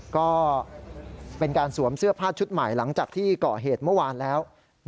ก็เป็นการสวมเสื้อผ้าชุดใหม่หลังจากที่ก่อเหตุเมื่อวานแล้ว